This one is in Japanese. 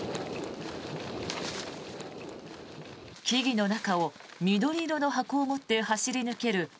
木々の中を緑色の箱を持って走り抜ける